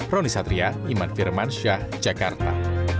roni satria iman firman syah jakarta